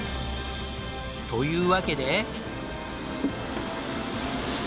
というわけで。